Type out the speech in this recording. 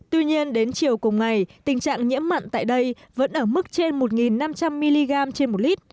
tuy nhiên đến chiều cùng ngày tình trạng nhiễm mặn tại đây vẫn ở mức trên một năm trăm linh mg trên một lít